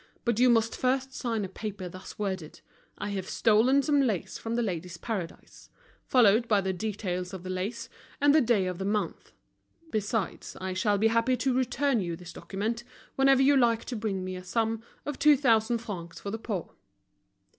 But you must first sign a paper thus worded: I have stolen some lace from The Ladies' Paradise,' followed by the details of the lace, and the day of the month. Besides, I shall be happy to return you this document whenever you like to bring me a sum of two thousand francs for the poor."